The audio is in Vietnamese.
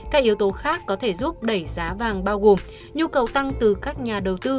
các yếu tố khác có thể giúp đẩy giá vàng bao gồm nhu cầu tăng từ các nhà đầu tư